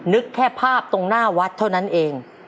นึกแค่ภาพตรงหน้าวัดเท่านั้นเอง